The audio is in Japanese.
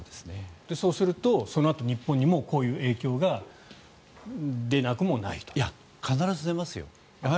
そうするとそのあと日本にもこういう影響が必ず出ますよ。